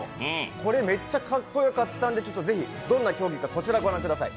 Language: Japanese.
これ、めっちゃかっこよかったんでぜひどんな競技かこちらご覧ください。